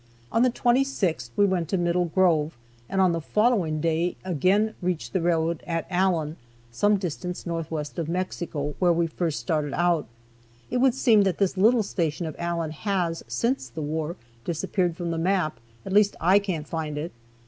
On the 26th we went to Middle Grove, and on the following day again reached the railroad at Allen, some distance northwest of Mexico, where we first started out. It would seem that this little station of Allen has, since the war, disappeared from the map, at least, I can't find it.